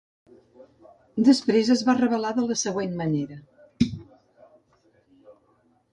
Després es va revelar de la següent manera.